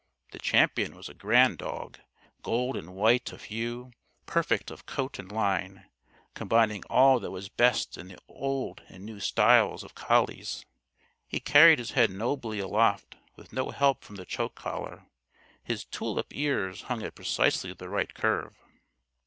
The Champion was a grand dog, gold and white of hue, perfect of coat and line, combining all that was best in the old and new styles of collies. He carried his head nobly aloft with no help from the choke collar. His "tulip" ears hung at precisely the right curve.